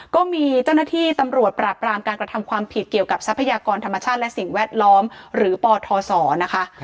ก็มีเจ้าหน้าที่ตำรวจปราบรามการกระทำความผิดเกี่ยวกับทรัพยากรธรรมชาติและสิ่งแวดล้อมหรือปทศนะคะ